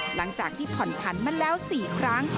หลังจากที่ผ่อนผันมาแล้ว๔ครั้ง